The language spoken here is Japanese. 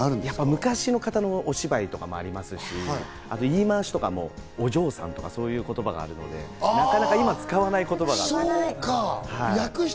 昔の方のお芝居もありますし、言い回しも「お嬢さん」とか、そういう言い方があるので、なかなか今使わない言葉なので。